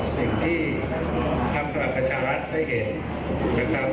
สิ่งที่คำตำรับประชารัฐได้เห็น